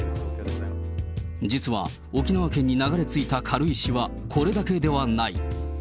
実は、沖縄県に流れ着いた軽石は、これだけではない。